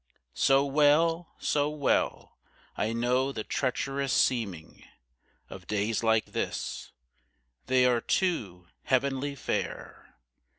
So well, so well, I know the treacherous seeming Of days like this; they are too heavenly fair.